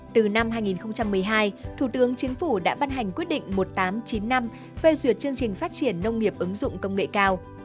từ năm hai nghìn một mươi hai thủ tướng chính phủ đã ban hành quyết định một nghìn tám trăm chín mươi năm phê duyệt chương trình phát triển nông nghiệp ứng dụng công nghệ cao